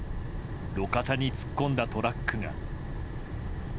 路肩に突っ込んだトラックが。